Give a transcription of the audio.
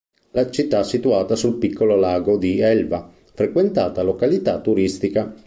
La città situata sul piccolo lago di Elva, frequentata località turistica.